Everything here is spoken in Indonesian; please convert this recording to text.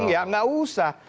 ya gak usah